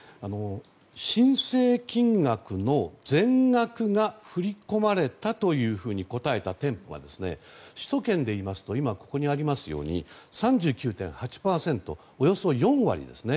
申請金額の全額が振り込まれたというふうに答えた店舗は首都圏でいいますと今ここにありますように３９．８％およそ４割ですね。